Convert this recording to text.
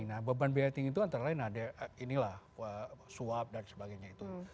nah beban biaya tinggi itu antara lain ada inilah suap dan sebagainya itu